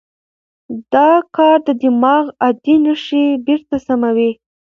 دا کار د دماغ عادي نښې بېرته سموي.